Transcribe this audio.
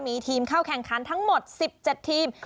มีทีมเข้าแข่งขันทั้งหมด๑๗ทีม